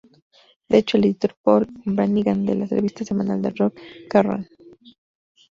De hecho, el editor Paul Brannigan de la revista semanal de "rock" Kerrang!